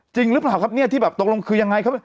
จริงหรือเปล่าครับเนี่ยที่แบบตกลงคือยังไงครับ